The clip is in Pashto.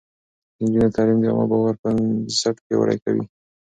د نجونو تعليم د عامه باور بنسټ پياوړی کوي.